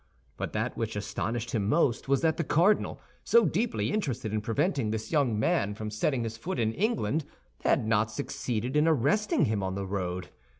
But that which astonished him most was that the cardinal, so deeply interested in preventing this young man from setting his foot in England, had not succeeded in arresting him on the road.